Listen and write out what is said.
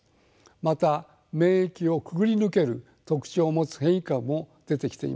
また免疫をくぐり抜ける特徴を持つ変異株も出てきています。